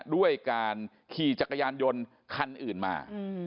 ด้วยการขี่จักรยานยนต์คันอื่นมา